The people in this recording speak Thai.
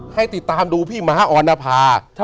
ให้ติดตามดูพี่ม้าออนภา